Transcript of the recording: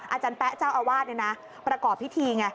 อาจารย์แป๊ะเจ้าอาวาสประกอบพิธีไง